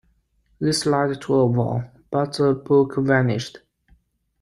This led to a war, but the book vanished.